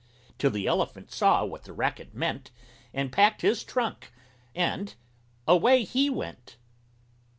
Till the Elephant saw what the racket meant And packed his trunk and away he went!